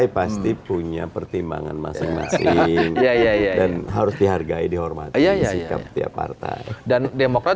pasti punya pertimbangan masing masing harus dihargai dihormati ya ya ya partai dan demokrat